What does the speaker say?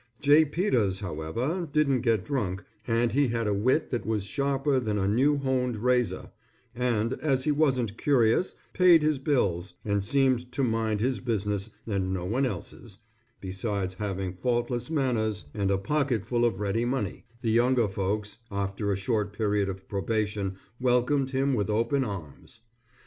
J. Peters, however, didn't get drunk, and he had a wit that was sharper than a new honed razor, and, as he wasn't curious, paid his bills, and seemed to mind his business and no one else's, besides having faultless manners and a pocket full of ready money, the younger folks after a short period of probation welcomed him with open arms.